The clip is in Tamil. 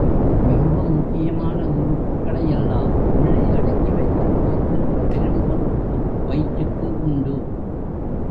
மிகவும் முக்கியமான உறுப்புக்களை எல்லாம் உள்ளே அடக்கி வைத்துக் காக்கின்ற பெரும் பொறுப்பு வயிற்றுக்கு உண்டு.